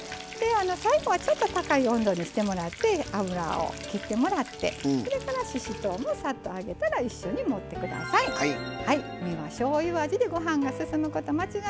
最後は、ちょっと高い温度にしてもらって油を切ってもらって、ししとうもさっと揚げたら一緒に盛ってください。